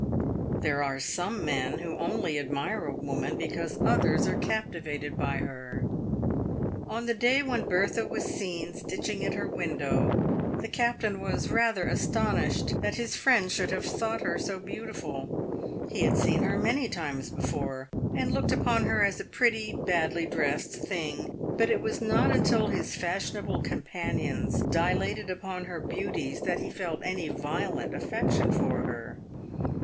There are some men who only admire a woman because others are captivated by her. On the day when Bertha was seen stitching at her window, the captain was rather astonished that his friends should have thought her so beautiful. He had seen her many times before, and looked upon her as a pretty, badly dressed thing; but it was not until his fashionable companions dilated upon her beauties, that he felt any violent affection for her.